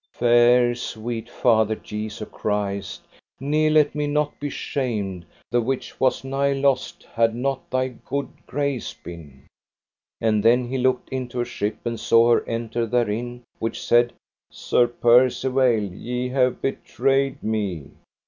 Fair sweet Father, Jesu Christ, ne let me not be shamed, the which was nigh lost had not thy good grace been. And then he looked into a ship, and saw her enter therein, which said: Sir Percivale, ye have betrayed me.